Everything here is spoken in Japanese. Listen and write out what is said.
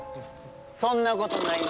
そんなことないわ。